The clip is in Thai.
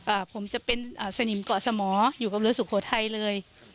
อ่าผมจะเป็นอ่าสนิมเกาะสมออยู่กับเรือสุโขทัยเลย